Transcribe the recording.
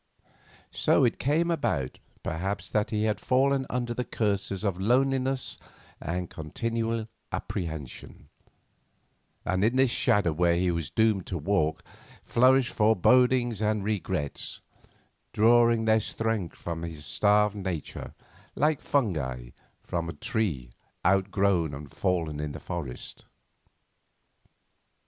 So it came about, perhaps, that he had fallen under the curses of loneliness and continual apprehension; and in this shadow where he was doomed to walk, flourished forebodings and regrets, drawing their strength from his starved nature like fungi from a tree outgrown and fallen in the forest.